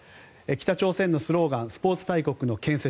北朝鮮のスローガンスポーツ大国の建設。